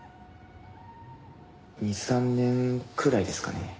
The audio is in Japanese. ２３年くらいですかね。